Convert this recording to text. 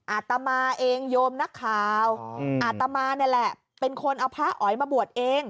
อาตมาเองโยมนักข่าวอาตมานี่แหละเป็นคนเอาพระอ๋อยมาบวชเอง